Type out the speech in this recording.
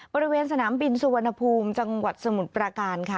บริเวณสนามบินสุวรรณภูมิจังหวัดสมุทรประการค่ะ